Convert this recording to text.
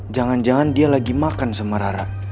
jangan jangan dia lagi makan sama rara